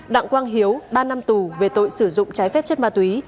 đặng quang hiếu ba năm tù về tội sử dụng trái phép chất ma túy